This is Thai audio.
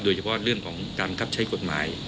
โดยเฉพาะเรื่องของการบังคับใช้กฎหมาย